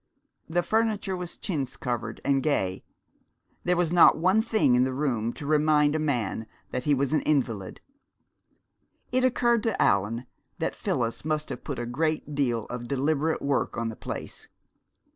The furniture was chintz covered and gay. There was not one thing in the room to remind a man that he was an invalid. It occurred to Allan that Phyllis must have put a good deal of deliberate work on the place.